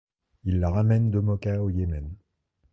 Il la ramène de Moka au Yémen.